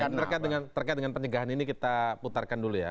nah ini terkait dengan penjagaan ini kita putarkan dulu ya